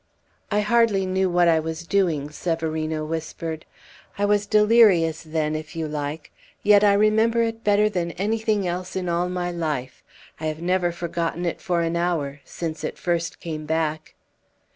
"I hardly knew what I was doing," Severino whispered. "I was delirious then, if you like! Yet I remember it better than anything else in all my life. I have never forgotten it for an hour since it first came back!"